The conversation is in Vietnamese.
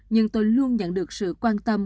nhưng tôi luôn nhận được sự quan tâm